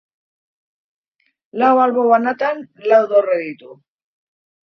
Lau albo banatan lau dorre ditu.